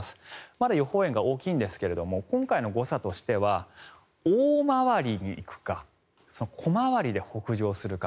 まだ予報円が大きいんですが今回の誤差としては大回りに行くか小回りで北上するか。